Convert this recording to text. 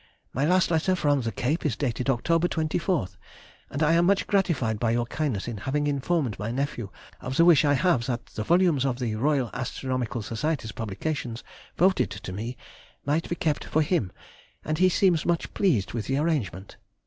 My last letter from the Cape is dated October 24th, and I am much gratified by your kindness in having informed my nephew of the wish I have that the volumes of the Royal Astronomical Society's publications voted to me might be kept for him, and he seems much pleased with the arrangement.